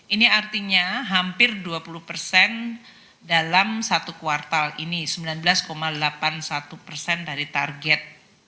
ini artinya hampir dua puluh persen dalam satu kuartal ini sembilan belas delapan puluh satu persen dari target